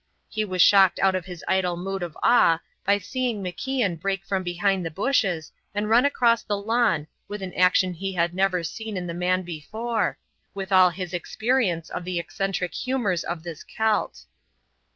He was shocked out of his idle mood of awe by seeing MacIan break from behind the bushes and run across the lawn with an action he had never seen in the man before, with all his experience of the eccentric humours of this Celt.